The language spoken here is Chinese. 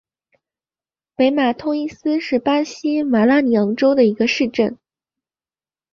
北马通伊斯是巴西马拉尼昂州的一个市镇。